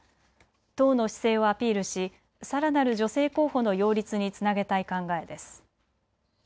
党の姿勢をアピールしさらなる女性候補の擁立につなげたい考えです。